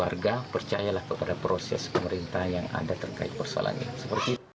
warga percayalah kepada proses pemerintah yang ada terkait persoalan ini